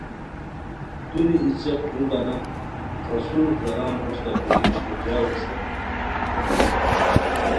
دُوری ای څیق جُو دانہ تھاسوروک دران ہوستہ کوری اشٹوکیاؤ استائے